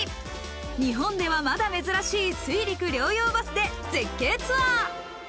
日本ではまだ珍しい水陸両用バスで絶景ツアー。